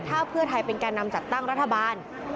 ถ้าเพื่อไทยเป็นแก่นำจัดตั้งรัฐบาล